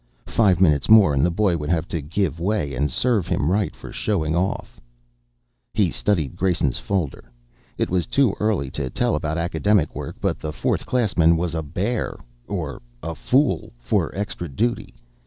Five minutes more and the boy would have to give way, and serve him right for showing off. He studied Grayson's folder. It was too early to tell about academic work, but the fourth classman was a bear or a fool for extra duty.